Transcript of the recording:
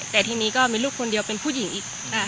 แต่ทีนี้ก็มีลูกคนเดียวเป็นผู้หญิงอีก